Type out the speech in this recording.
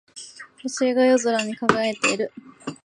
星が夜空に輝いている。